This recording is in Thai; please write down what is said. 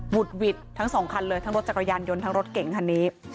ุดหวิดทั้งสองคันเลยทั้งรถจักรยานยนต์ทั้งรถเก่งคันนี้